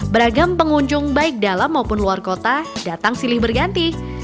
beragam pengunjung baik dalam maupun luar kota datang silih berganti